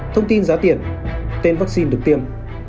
thông tin giá tiền tên vaccine được tiêm